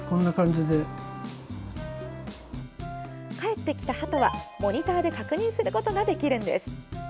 帰ってきたはとはモニターで確認することができるんです。